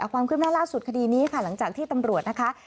ความคืบหน้าล่าสุดคดีนี้ค่ะหลังจากที่ตำรวจนะคะ